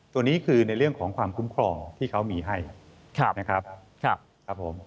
ตัวนี้คือในเรื่องของความคุ้มครองที่เขามีให้นะครับครับผม